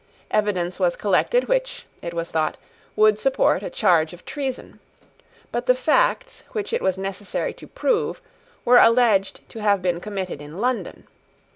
Evidence was collected which, it was thought, would support a charge of treason. But the facts which it was necessary to prove were alleged to have been committed in London.